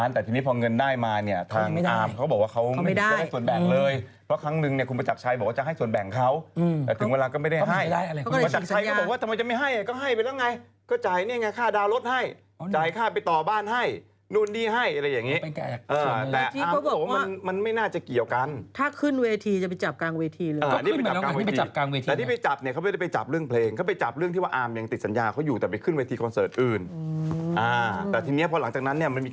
แต่ทีนี้พอหลังจากนั้นมันมีการปลูกเรื่องมาถึงเรื่องของเพลงนี้อีก